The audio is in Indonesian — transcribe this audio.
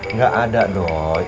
nggak ada doy